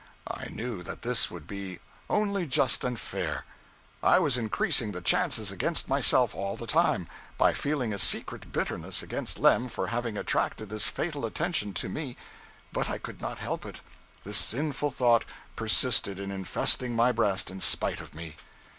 I knew that this would be only just and fair. I was increasing the chances against myself all the time, by feeling a secret bitterness against Lem for having attracted this fatal attention to me, but I could not help it this sinful thought persisted in infesting my breast in spite of me.